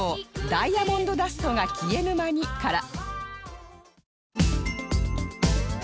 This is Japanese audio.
『ダイアモンドダストが消えぬまに』から